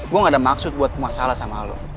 gue gak ada maksud buat masalah sama lo